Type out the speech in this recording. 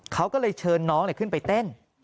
เขาก็เลยเชิญน้องขึ้นไปเต้น